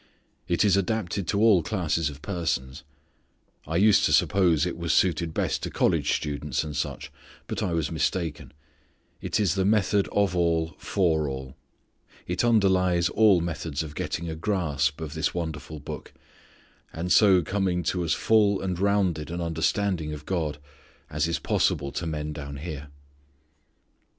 It is adapted to all classes of persons. I used to suppose it was suited best to college students, and such; but I was mistaken. It is the method of all for all. It underlies all methods of getting a grasp of this wonderful Book, and so coming to as full and rounded an understanding of God as is possible to men down here.